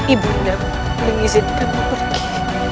ibu nara mengizinkanmu pergi